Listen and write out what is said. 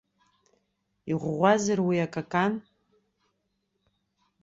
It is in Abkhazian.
Иӷәӷәазар уи акакан?